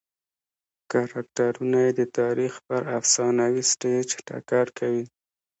کرکټرونه یې د تاریخ پر افسانوي سټېج ټکر کوي.